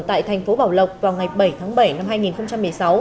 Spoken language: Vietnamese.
tại thành phố bảo lộc vào ngày bảy tháng bảy năm hai nghìn một mươi sáu